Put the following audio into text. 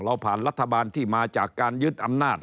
เราผ่านรัฐบาลที่มาจากการยึดอำนาจ